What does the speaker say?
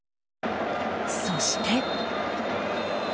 そして。